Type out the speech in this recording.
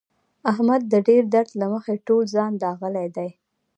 احمد د ډېر درد له مخې ټول ځان داغلی دی.